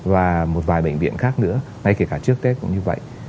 và một vài bệnh viện khác nữa ngay kể cả trước tết cũng như vậy